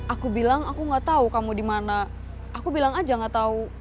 aku bilang aku gak tau kamu dimana aku bilang aja gak tau